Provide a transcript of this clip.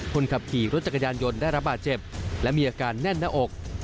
คนขับขี่รถจักรยานยนต์ได้ระบาดเจ็บและมีอาการแน่นหน้าอก